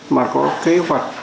mà có kế hoạch